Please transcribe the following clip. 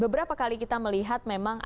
beberapa kali kita melihat memang